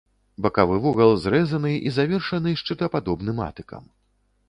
Бакавы вугал зрэзаны і завершаны шчытападобным атыкам.